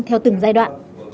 theo từng giai đoạn